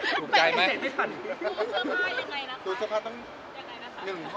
ผิวเสื้อผ้ายังไงนะคะ